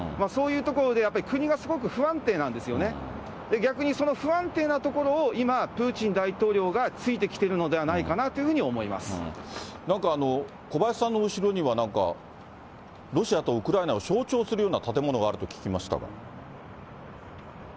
そういうところでやっぱり、国がすごく不安定なんですよね、逆にその不安定なところを今、プーチン大統領がついてきてるのではないかなというふうに思いまなんか、小林さんの後ろにはロシアとウクライナを象徴するような建物があると聞きましたが。